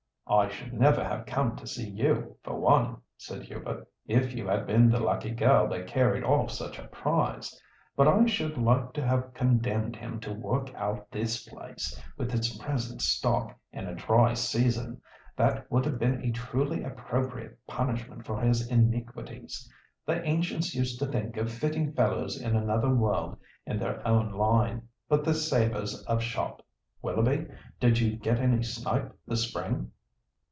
"I should never have come to see you, for one," said Hubert, "if you had been the lucky girl that carried off such a prize. But I should like to have condemned him to work out this place, with its present stock, in a dry season; that would have been a truly appropriate punishment for his iniquities. The ancients used to think of fitting fellows in another world in their own line. But this savours of shop. Willoughby, did you get any snipe this spring?"